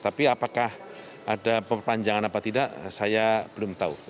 tapi apakah ada perpanjangan apa tidak saya belum tahu